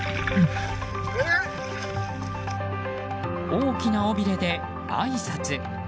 大きな尾びれであいさつ。